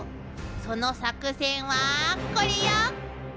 その作戦はこれよ！